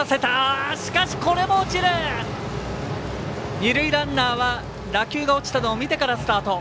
二塁ランナーは打球が落ちたのを見てからスタート。